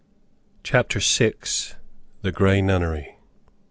CHAPTER VI. THE GREY NUNNERY.